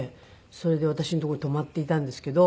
それで私のとこに泊まっていたんですけど。